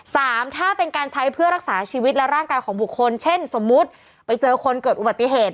สามถ้าเป็นการใช้เพื่อรักษาชีวิตและร่างกายของบุคคลเช่นสมมุติไปเจอคนเกิดอุบัติเหตุ